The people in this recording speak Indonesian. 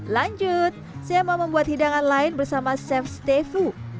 lanjut saya mau membuat hidangan lain bersama chef stefu